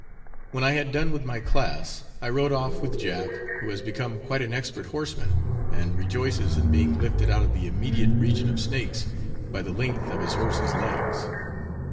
When I had done with my class, I rode off with Jack, who has become quite an expert horseman, and rejoices in being lifted out of the immediate region of snakes by the length of his horse's legs.